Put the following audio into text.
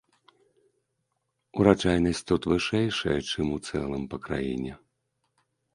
Ураджайнасць тут вышэйшая, чым у цэлым па краіне.